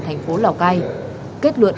thành phố lào cai kết luận